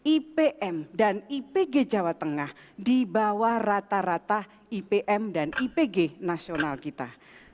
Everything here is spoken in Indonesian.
ipm dan ipg jawa tengah di bawah rata rata ipm dan ipg nasional kita